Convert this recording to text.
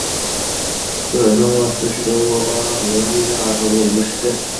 苏尔策莫斯是德国巴伐利亚州的一个市镇。